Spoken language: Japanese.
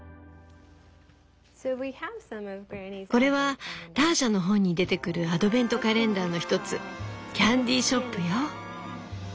これはターシャの本に出てくるアドベントカレンダーの一つ「キャンディ・ショップ」よ。